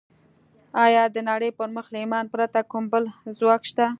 ایا د نړۍ پر مخ له ایمانه پرته کوم بل ځواک شته